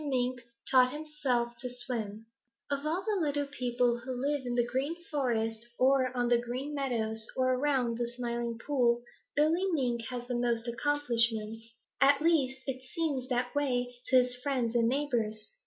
MINK TAUGHT HIMSELF TO SWIM Of all the little people who live in the Green Forest or on the Green Meadows or around the Smiling Pool, Billy Mink has the most accomplishments. At least, it seems that way to his friends and neighbors.